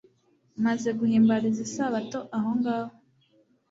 maze bahimbariza isabato aho ngaho